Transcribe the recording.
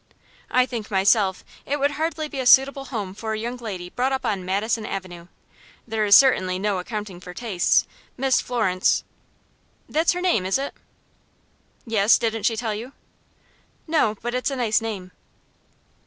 "I think, myself, it would hardly be a suitable home for a young lady brought up on Madison Avenue. There is certainly no accounting for tastes. Miss Florence " "That's her name, is it?" "Yes; didn't she tell you?" "No; but it's a nice name."